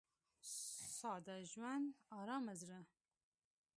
• ساده ژوند، ارامه زړه.